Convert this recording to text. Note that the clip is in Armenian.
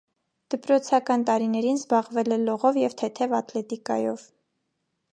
Դպրոցական տարիներին զբաղվել է լողով և թեթև ատլետիկայով։